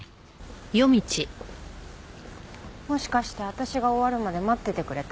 もしかして私が終わるまで待っててくれた？